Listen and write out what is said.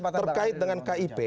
terkait dengan kip